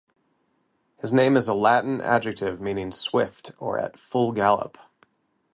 His name is a Latin adjective meaning "swift" or "at full gallop".